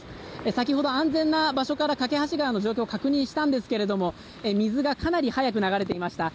先ほど安全な場所から梯川の状況を確認したんですけれども水がかなり速く流れていました。